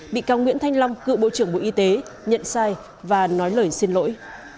bị cáo nguyễn thanh long cựu bộ trưởng bộ y tế nhận sai và nói lời xin lỗi